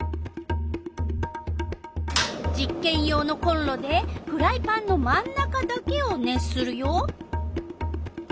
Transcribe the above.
実けん用のコンロでフライパンの真ん中だけを熱するよ。